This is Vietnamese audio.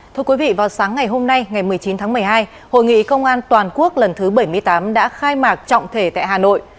thưa quý vị vào sáng ngày hôm nay ngày một mươi chín tháng một mươi hai hội nghị công an toàn quốc lần thứ bảy mươi tám đã khai mạc trọng thể tại hà nội